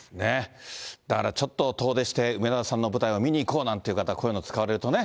だからちょっと遠出して、梅沢さんの舞台見に行こうなんていう方、こういうの使われるとね。